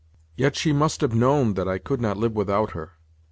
Yet she must have known that I could not live without her.